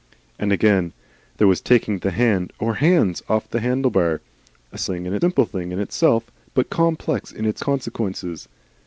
And again, there was taking the hand or hands off the handlebar, a thing simple in itself, but complex in its consequences.